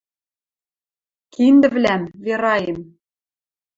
Киндӹвлӓм, Вераэм.